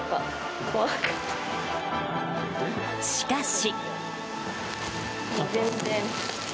しかし。